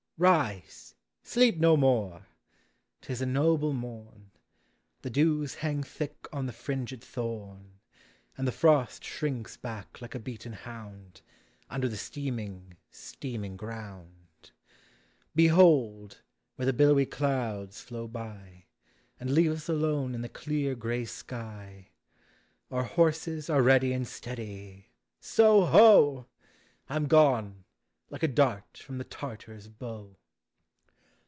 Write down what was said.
Rise ! Sleep no more ! 'T is a noble morn. The dews hang thick on the fringed thorn. And the frost shrinks back like a beaten hound, Under the steaming, steaming ground. Behold, where the billowy clouds flow bv, And leave us alone in the clear gray skv ! Our horses are ready and steady. — So, ho! I 'm gone, like a dart from the Tartar's bow.